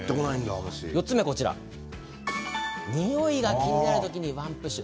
４つ目、においが気になる時にワンプッシュ。